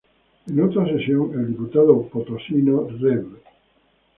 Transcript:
En otra sesión, el diputado Potosino Rev.